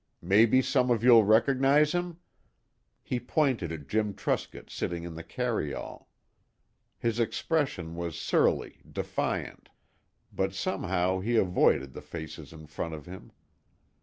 Maybe some of you'll recognize him?" He pointed at Jim Truscott sitting in the carryall. His expression was surly, defiant. But somehow he avoided the faces in front of him.